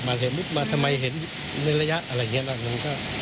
เห็นมาทำไมเห็นในระยะอะไรอย่างนี้